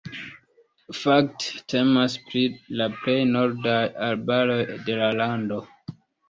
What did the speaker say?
Fakte temas pri la plej nordaj arbaroj de la lando.